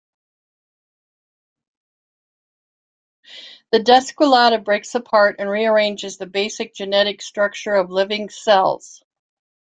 The Descolada breaks apart and rearranges the basic genetic structure of living cells.